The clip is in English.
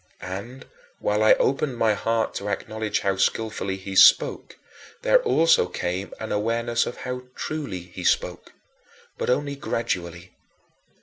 And, while I opened my heart to acknowledge how skillfully he spoke, there also came an awareness of how truly he spoke but only gradually.